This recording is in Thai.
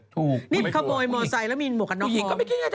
นี่เขโมยมอเตอร์ไซค์แล้วมีหมู่กับนอกมอง